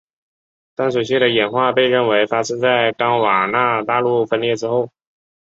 淡水蟹的演化被认为发生在冈瓦纳大陆分裂之后。